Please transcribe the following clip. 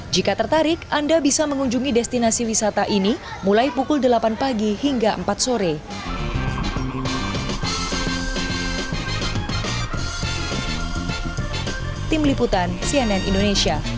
jika tertarik anda bisa mengunjungi destinasi wisata ini mulai pukul delapan pagi hingga empat sore